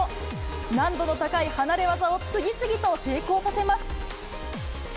難度の高い離れ技を次々と成功させます。